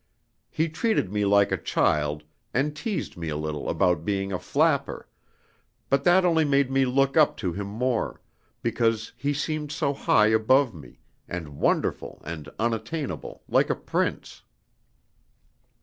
He treated me like a child, and teased me a little about being a 'flapper,' but that only made me look up to him more, because he seemed so high above me, and wonderful and unattainable, like a prince.